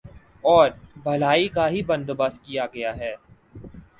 اور بھلائی ہی کا بندو بست کیا گیا ہے